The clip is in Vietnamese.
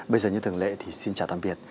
bây giờ như thường lệ thì xin chào tạm biệt